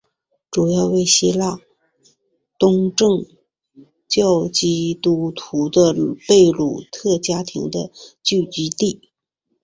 主要为希腊东正教基督徒的贝鲁特家庭的聚居地。